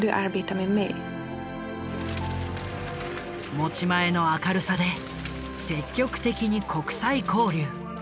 持ち前の明るさで積極的に国際交流。